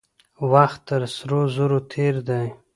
وخت تر سرو زرو تېر دی.